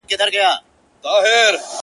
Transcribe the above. • څو چي ورېځ پر آسمان ګرځي -